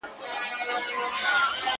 زما خو ټوله زنده گي توره ده ـ